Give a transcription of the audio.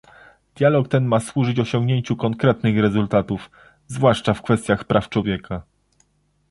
Dialog ten ma służyć osiągnięciu konkretnych rezultatów, zwłaszcza w kwestiach praw człowieka